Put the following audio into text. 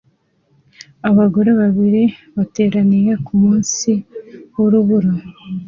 abagore babiri bateraniye kumunsi wurubura